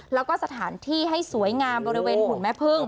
แล้วก็สถานที่ให้สวยงามบริเวณหุ่นแม่พึ่ง